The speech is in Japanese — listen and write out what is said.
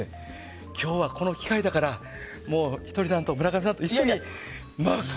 今日はこの機会だからひとりさんと村上さんと一緒にと。